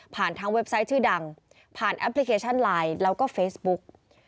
ทางเว็บไซต์ชื่อดังผ่านแอปพลิเคชันไลน์แล้วก็เฟซบุ๊ก